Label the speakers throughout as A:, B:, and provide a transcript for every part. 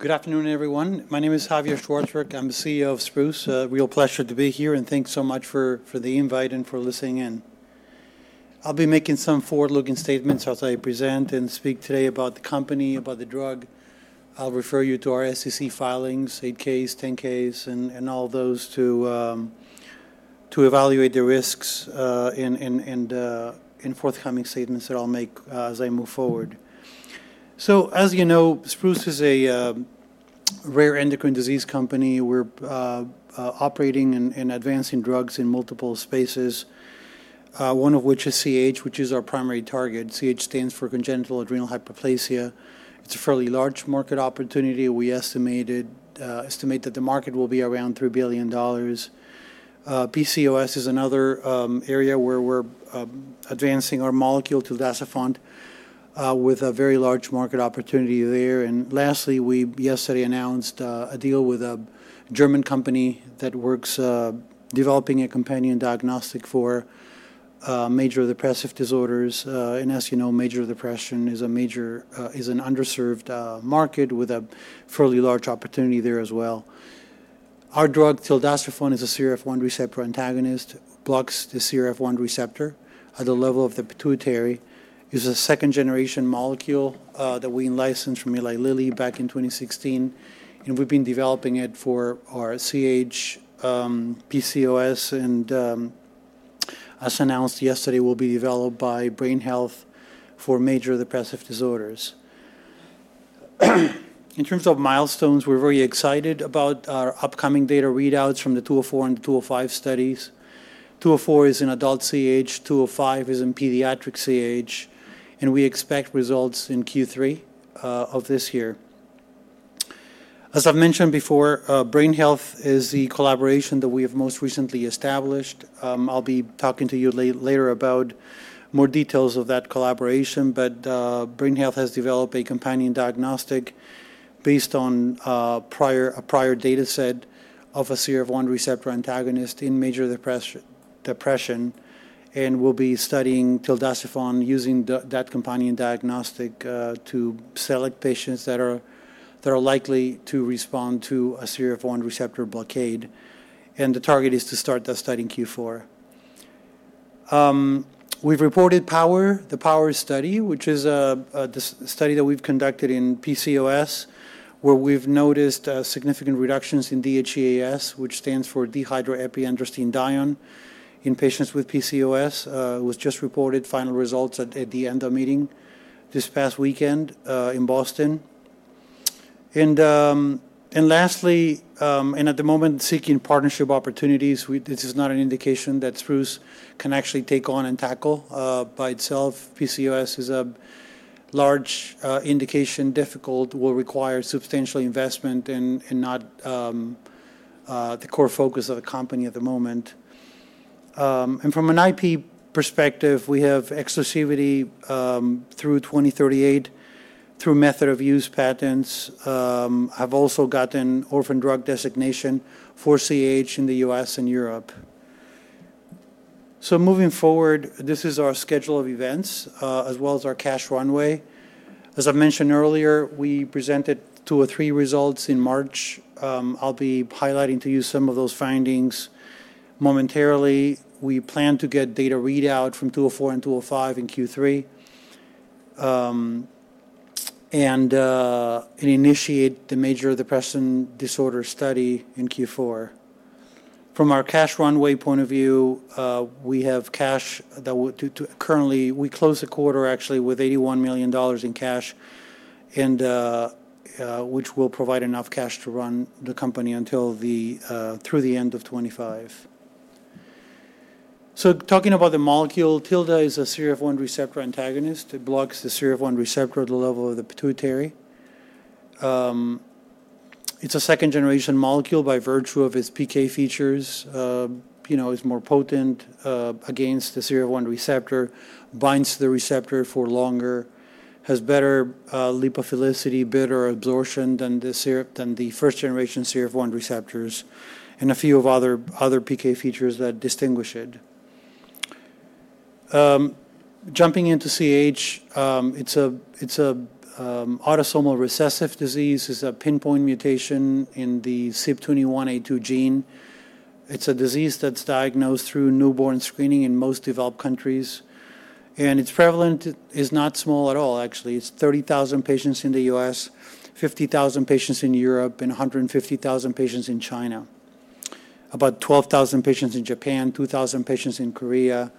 A: Good afternoon, everyone. My name is Javier Szwarcberg. I'm the CEO of Spruce. A real pleasure to be here, and thanks so much for the invite and for listening in. I'll be making some forward-looking statements as I present and speak today about the company, about the drug. I'll refer you to our SEC filings, 8-Ks, 10-Ks, and all those to evaluate the risks and forthcoming statements that I'll make as I move forward. So, as you know, Spruce is a rare endocrine disease company. We're operating and advancing drugs in multiple spaces, one of which is CAH, which is our primary target. CAH stands for Congenital Adrenal Hyperplasia. It's a fairly large market opportunity. We estimate that the market will be around $3 billion. PCOS is another area where we're advancing our molecule, tildacerfont, with a very large market opportunity there. And lastly, we yesterday announced a deal with a German company that works developing a companion diagnostic for major depressive disorders. And as you know, major depression is an underserved market with a fairly large opportunity there as well. Our drug, tildacerfont, is a CRF1 receptor antagonist, blocks the CRF1 receptor at the level of the pituitary. It's a second-generation molecule that we licensed from Eli Lilly back in 2016, and we've been developing it for our CAH, PCOS, and, as announced yesterday, will be developed by Brain Health for major depressive disorders. In terms of milestones, we're very excited about our upcoming data readouts from the 204 and 205 studies. 204 is in adult CAH, 205 is in pediatric CAH, and we expect results in Q3 of this year. As I've mentioned before, Brain Health is the collaboration that we have most recently established. I'll be talking to you later about more details of that collaboration, but Brain Health has developed a companion diagnostic based on a prior dataset of a CRF1 receptor antagonist in major depression, and we'll be studying tildacerfont using that companion diagnostic to select patients that are likely to respond to a CRF1 receptor blockade, and the target is to start that study in Q4. We've reported POWER, the POWER study, which is a study that we've conducted in PCOS, where we've noticed significant reductions in DHEAS, which stands for Dehydroepiandrosterone, in patients with PCOS. It was just reported final results at the ENDO meeting this past weekend in Boston. Lastly, at the moment, seeking partnership opportunities, we... This is not an indication that Spruce can actually take on and tackle by itself. PCOS is a large indication, difficult, will require substantial investment and not the core focus of the company at the moment. From an IP perspective, we have exclusivity through 2038 through method of use patents. We have also gotten orphan drug designation for CAH in the U.S. and Europe. Moving forward, this is our schedule of events as well as our cash runway. As I mentioned earlier, we presented two or three results in March. I'll be highlighting to you some of those findings momentarily. We plan to get data readout from 204 and 205 in Q3, and initiate the major depressive disorder study in Q4. From our cash runway point of view, we have cash that would to. Currently, we closed the quarter actually with $81 million in cash, and which will provide enough cash to run the company until through the end of 2025. So talking about the molecule, tildacerfont is a CRF1 receptor antagonist. It blocks the CRF1 receptor at the level of the pituitary. It's a second-generation molecule by virtue of its PK features. You know, it's more potent against the CRF1 receptor, binds to the receptor for longer, has better lipophilicity, better absorption than the first-generation CRF1 receptors, and a few other PK features that distinguish it. Jumping into CAH, it's a autosomal recessive disease. It's a pinpoint mutation in the CYP21A2 gene. It's a disease that's diagnosed through newborn screening in most developed countries, and its prevalence is not small at all, actually. It's 30,000 patients in the U.S., 50,000 patients in Europe, and 150,000 patients in China. About 12,000 patients in Japan, 2,000 patients in Korea.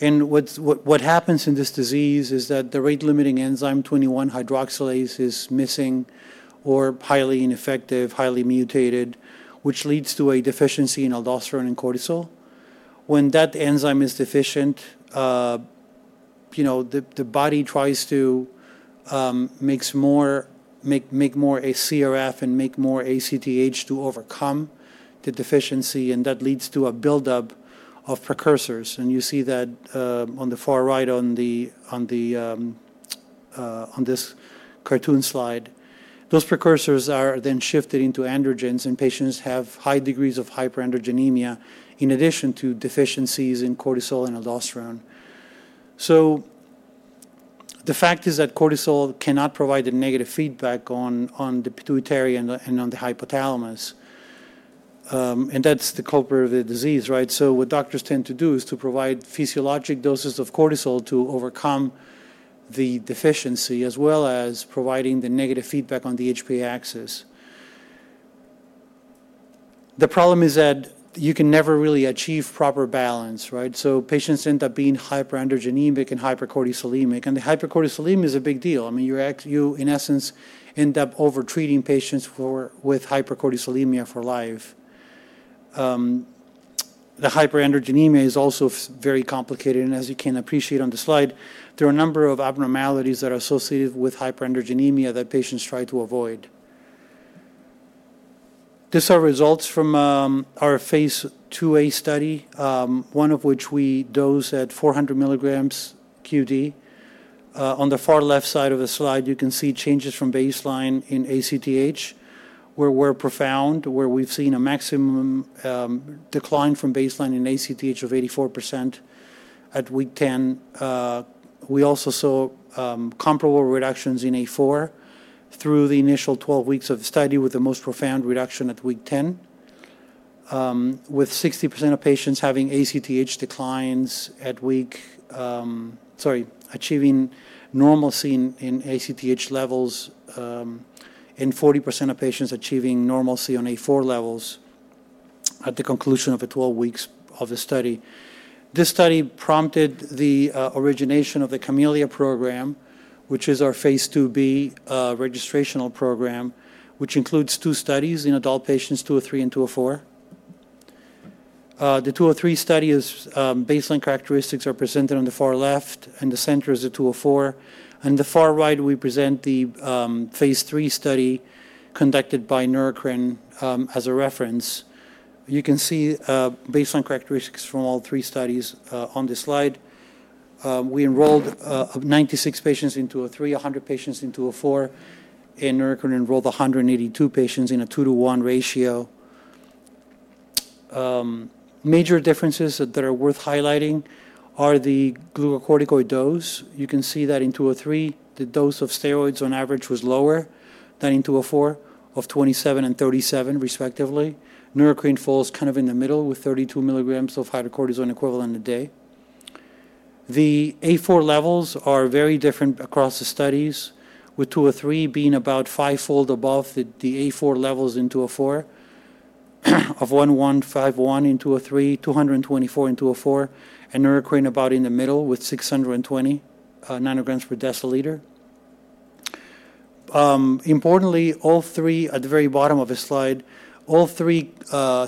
A: What happens in this disease is that the rate-limiting enzyme, 21-hydroxylase, is missing or highly ineffective, highly mutated, which leads to a deficiency in aldosterone and cortisol. When that enzyme is deficient, you know, the body tries to make more CRF and make more ACTH to overcome the deficiency, and that leads to a buildup of precursors, and you see that on the far right on this cartoon slide. Those precursors are then shifted into androgens, and patients have high degrees of hyperandrogenemia, in addition to deficiencies in cortisol and aldosterone. The fact is that cortisol cannot provide a negative feedback on the pituitary and on the hypothalamus. And that's the culprit of the disease, right? So what doctors tend to do is to provide physiologic doses of cortisol to overcome the deficiency, as well as providing the negative feedback on the HPA axis. The problem is that you can never really achieve proper balance, right? So patients end up being hyperandrogenic and hypercortisolemic, and the hypercortisolemia is a big deal. I mean, you, in essence, end up over-treating patients with hypercortisolemia for life. The hyperandrogenemia is also very complicated, and as you can appreciate on the slide, there are a number of abnormalities that are associated with hyperandrogenemia that patients try to avoid. These are results from our phase IIa study, one of which we dosed at 400 milligrams QD. On the far left side of the slide, you can see changes from baseline in ACTH, which were profound, where we've seen a maximum decline from baseline in ACTH of 84% at week 10. We also saw comparable reductions in A4 through the initial 12 weeks of the study, with the most profound reduction at week 10. With 60% of patients achieving normalcy in ACTH levels, and 40% of patients achieving normalcy on A4 levels at the conclusion of the 12 weeks of the study. This study prompted the origination of the CAHmelia program, which is our phase IIb registrational program, which includes two studies in adult patients, II/III and II/IV. The II/III study baseline characteristics are presented on the far left, and the center is the II/IV. On the far right, we present the phase III study conducted by Neurocrine as a reference. You can see baseline characteristics from all three studies on this slide. We enrolled 96 patients in II/III, 100 patients in II/IV, and Neurocrine enrolled 182 patients in a 2:1 ratio. Major differences that are worth highlighting are the glucocorticoid dose. You can see that in II/III, the dose of steroids on average was lower than in II/IV of 27 and 37, respectively. Neurocrine falls kind of in the middle with 32 milligrams of hydrocortisone equivalent a day. The A4 levels are very different across the studies, with II/III being about fivefold above the A4 levels in II/IV, of 1,151 in II/III, 224 in II/IV, and Neurocrine about in the middle, with 620 nanograms per deciliter. Importantly, all three at the very bottom of this slide, all three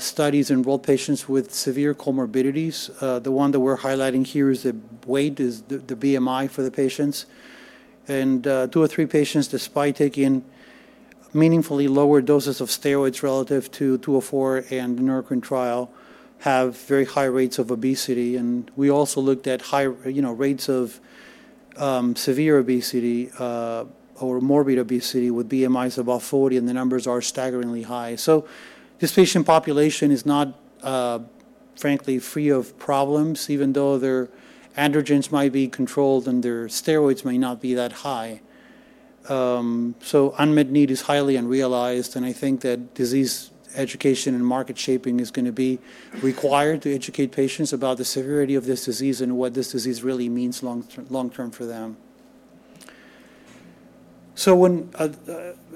A: studies enrolled patients with severe comorbidities. The one that we're highlighting here is the weight, is the BMI for the patients. II/III patients, despite taking meaningfully lower doses of steroids relative to II/IV and the Neurocrine trial, have very high rates of obesity. We also looked at high, you know, rates of severe obesity or morbid obesity with BMIs above 40, and the numbers are staggeringly high. So this patient population is not, frankly, free of problems, even though their androgens might be controlled, and their steroids may not be that high. So unmet need is highly unrealized, and I think that disease education and market shaping is gonna be required to educate patients about the severity of this disease and what this disease really means long term for them. So,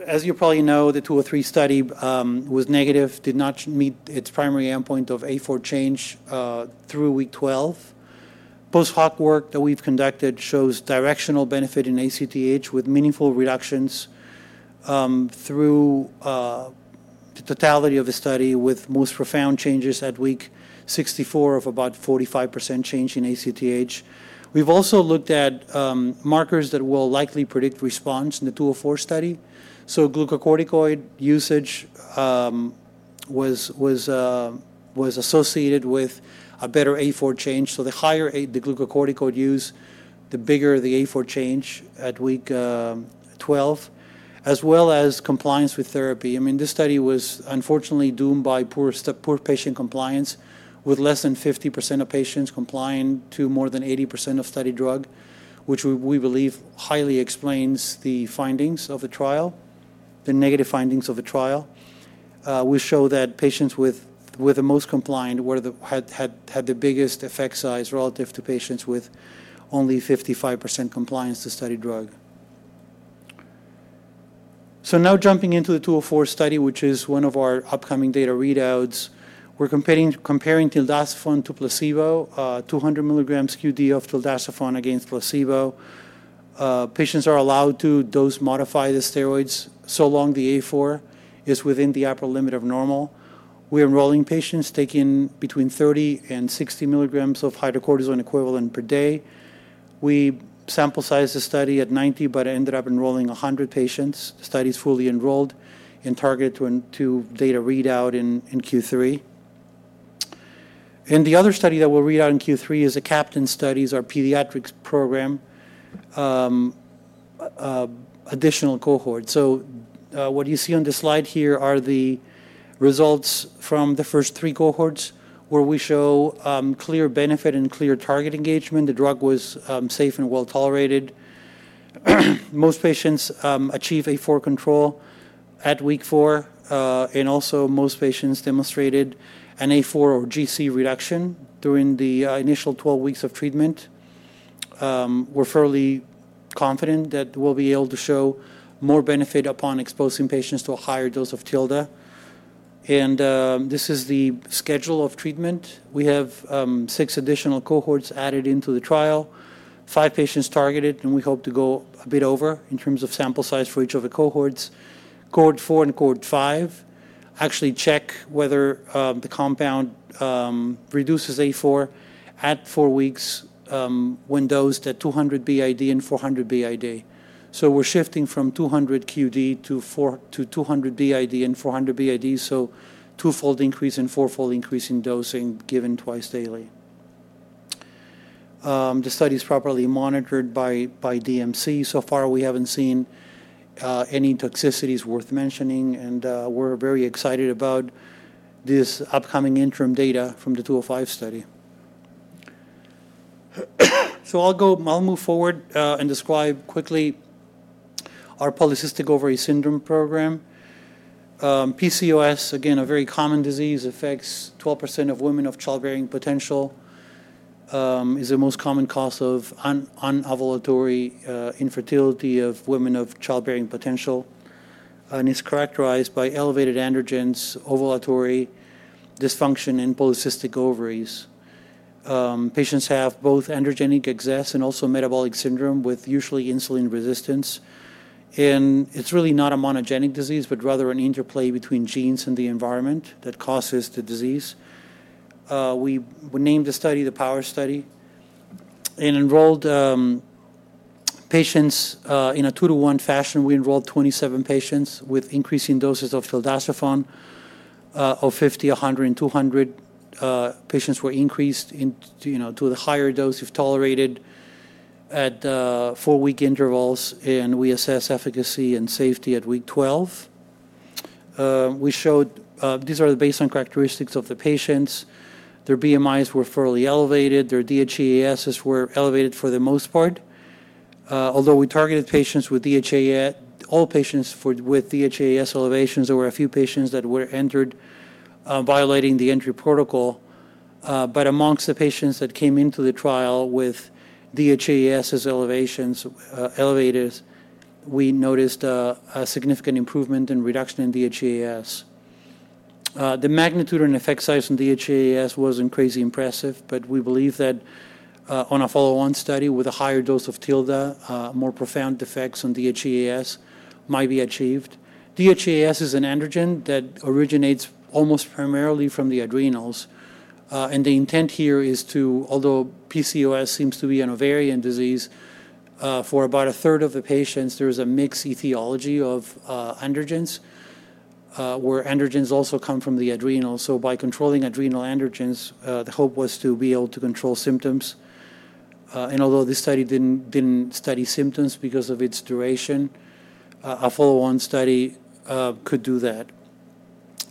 A: as you probably know, the II/III study was negative, did not meet its primary endpoint of A4 change through week 12. Post-hoc work that we've conducted shows directional benefit in ACTH, with meaningful reductions through the totality of the study, with most profound changes at week 64 of about 45% change in ACTH. We've also looked at markers that will likely predict response in the II/III study. So glucocorticoid usage was associated with a better A4 change. So the higher the glucocorticoid use, the bigger the A4 change at week 12, as well as compliance with therapy. I mean, this study was unfortunately doomed by poor patient compliance, with less than 50% of patients complying to more than 80% of study drug, which we believe highly explains the findings of the trial, the negative findings of the trial. We show that patients with the most compliance had the biggest effect size relative to patients with only 55% compliance to study drug. So now jumping into the II/III study, which is one of our upcoming data readouts, we're comparing tildacerfont to placebo, 200 milligrams QD of tildacerfont against placebo. Patients are allowed to dose-modify the steroids so long as the A4 is within the upper limit of normal. We're enrolling patients taking between 30 and 60 milligrams of hydrocortisone equivalent per day. We sample-sized the study at 90 but ended up enrolling 100 patients. The study is fully enrolled and targeted to a data readout in Q3. And the other study that we'll read out in Q3 is the CAHptain studies, our pediatrics program, additional cohort. So, what you see on the slide here are the results from the first three cohorts, where we show clear benefit and clear target engagement. The drug was safe and well-tolerated. Most patients achieve A4 control at week four, and also, most patients demonstrated an A4 or GC reduction during the initial 12 weeks of treatment. We're fairly confident that we'll be able to show more benefit upon exposing patients to a higher dose of tildacerfont. This is the schedule of treatment. We have six additional cohorts added into the trial, five patients targeted, and we hope to go a bit over in terms of sample size for each of the cohorts. Cohort four and cohort five actually check whether the compound reduces A4 at four weeks, when dosed at 200 BID and 400 BID. So we're shifting from 200 QD to 200 BID and 400 BID, so twofold increase and fourfold increase in dosing given twice daily. The study is properly monitored by DMC. So far, we haven't seen any toxicities worth mentioning, and we're very excited about this upcoming interim data from the 205 study. So I'll move forward and describe quickly our polycystic ovary syndrome program. PCOS, again, a very common disease, affects 12% of women of childbearing potential, is the most common cause of anovulatory infertility of women of childbearing potential, and is characterized by elevated androgens, ovulatory dysfunction, and polycystic ovaries. Patients have both androgenic excess and also metabolic syndrome with usually insulin resistance. It's really not a monogenic disease, but rather an interplay between genes and the environment that causes the disease. We named the study the POWER study, and enrolled patients in a 2-to-1 fashion. We enrolled 27 patients with increasing doses of tildacerfont of 50, 100, and 200. Patients were increased into, you know, to the higher dose, if tolerated, at 4-week intervals, and we assess efficacy and safety at week 12. We showed, these are the baseline characteristics of the patients. Their BMIs were fairly elevated, their DHEAS's were elevated for the most part. Although we targeted patients with DHEAS, all patients with DHEAS elevations, there were a few patients that were entered violating the entry protocol. But among the patients that came into the trial with DHEAS elevations, we noticed a significant improvement and reduction in DHEAS. The magnitude and effect size in DHEAS wasn't crazy impressive, but we believe that on a follow-on study with a higher dose of tildacerfont, more profound effects on DHEAS might be achieved. DHEAS is an androgen that originates almost primarily from the adrenals. And the intent here is to, although PCOS seems to be an ovarian disease, for about a third of the patients, there is a mixed etiology of androgens, where androgens also come from the adrenals. So by controlling adrenal androgens, the hope was to be able to control symptoms. And although this study didn't study symptoms because of its duration, a follow-on study could do that.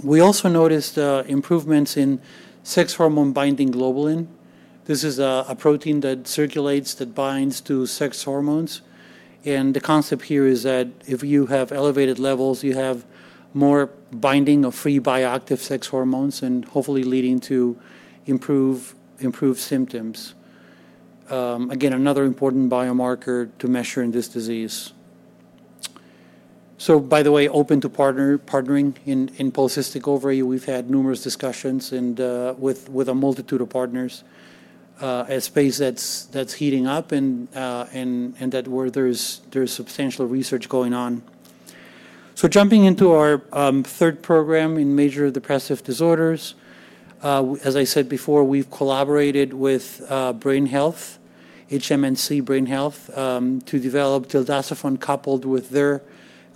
A: We also noticed improvements in sex hormone-binding globulin. This is a protein that circulates, that binds to sex hormones. And the concept here is that if you have elevated levels, you have more binding of free bioactive sex hormones and hopefully leading to improved symptoms. Again, another important biomarker to measure in this disease. So by the way, open to partnering in polycystic ovary, we've had numerous discussions and with a multitude of partners, a space that's heating up and and that where there's substantial research going on. So jumping into our third program in major depressive disorders, as I said before, we've collaborated with HMNC Brain Health to develop tildacerfont coupled with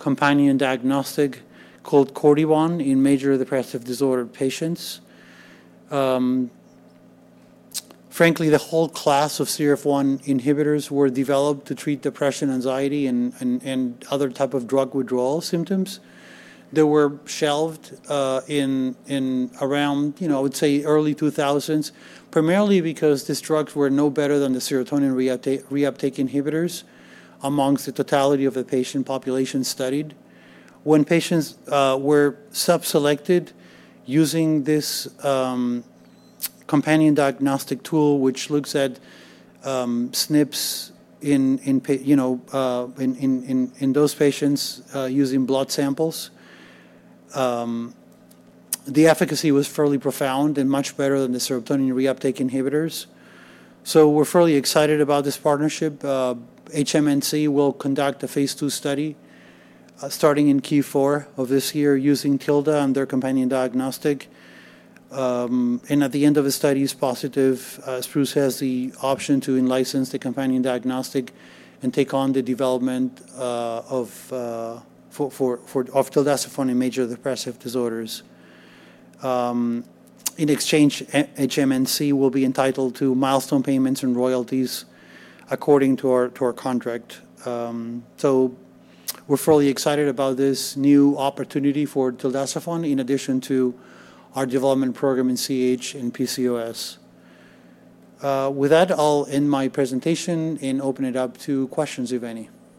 A: their companion diagnostic called Cortibon in major depressive disorder patients. Frankly, the whole class of CRF1 inhibitors were developed to treat depression, anxiety, and other type of drug withdrawal symptoms. They were shelved in around, you know, I would say early 2000s, primarily because these drugs were no better than the serotonin reuptake inhibitors among the totality of the patient population studied. When patients were sub-selected using this companion diagnostic tool, which looks at SNPs in those patients using blood samples, the efficacy was fairly profound and much better than the serotonin reuptake inhibitors. So we're fairly excited about this partnership. HMNC will conduct a phase II study starting in Q4 of this year, using tildacerfont and their companion diagnostic. And at the end of the study is positive, Spruce has the option to in-license the companion diagnostic and take on the development of tildacerfont in major depressive disorders. In exchange, HMNC will be entitled to milestone payments and royalties according to our contract. So we're fairly excited about this new opportunity for tildacerfont in addition to our development program in CAH and PCOS. With that, I'll end my presentation and open it up to questions, if any?